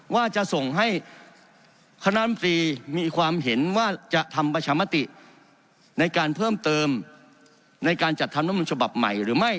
ว่าจะส่งให้คณะมตรีมีความเห็นว่าจะทำประชามติในการเพิ่มเติมในการจัดทำรัฐมนุนฉบับใหม่หรือไม่